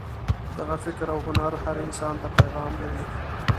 دغه فکر او هنر هر انسان ته پیغام لري.